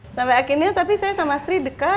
sampai akhirnya tapi saya sama sri dekat